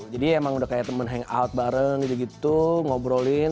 jadi emang udah kayak temen hangout bareng gitu gitu ngobrolin